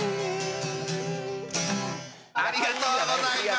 ありがとうございます！